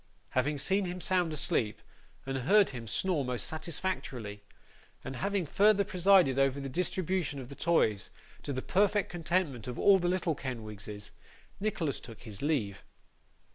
Having seen him sound asleep, and heard him snore most satisfactorily, and having further presided over the distribution of the toys, to the perfect contentment of all the little Kenwigses, Nicholas took his leave.